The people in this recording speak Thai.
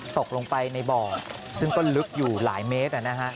ตกลงไปในบ่อซึ่งก็ลึกอยู่หลายเมตร